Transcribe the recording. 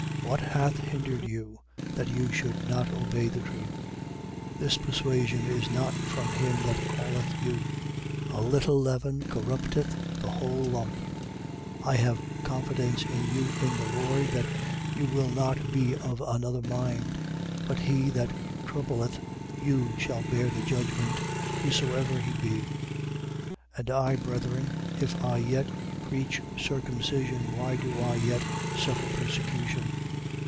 What hath hindered you, that you should not obey the truth? 5:8. This persuasion is not from him that calleth you. 5:9. A little leaven corrupteth the whole lump. 5:10. I have confidence in you in the Lord that you will not be of another mind: but he that troubleth you shall bear the judgment, whosoever he be. 5:11. And I, brethren, if I yet preach circumcision, why do I yet suffer persecution?